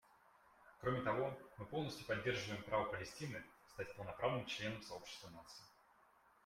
Кроме того, мы полностью поддерживаем право Палестины стать полноправным членом сообщества наций.